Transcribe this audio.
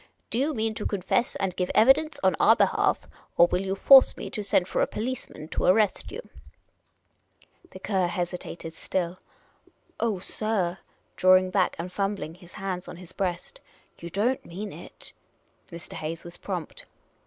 Do you mean to confess, and give evidence on our behalf, or will you force me to send for a policeman to arrest you ?'' The cur hesitated still. " Oh, sir," drawing back, and fumbling his hands on his breast, " you don't mean it." Mr. Hayes was prompt.